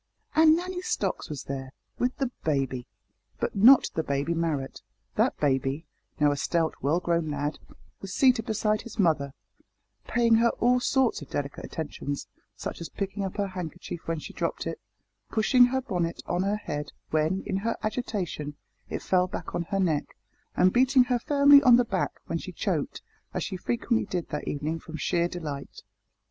And Nanny Stocks was there, with "the baby," but not the baby Marrot! That baby now a stout well grown lad was seated beside his mother, paying her all sorts of delicate attentions, such as picking up her handkerchief when she dropped it, pushing her bonnet on her head when, in her agitation, it fell back on her neck, and beating her firmly on the back when she choked, as she frequently did that evening from sheer delight.